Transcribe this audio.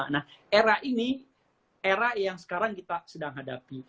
nah era ini era yang sekarang kita sedang hadapi